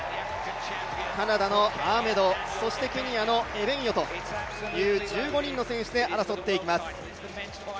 カナダのアーメド、そしてケニアと、１５人の選手で争っていきます。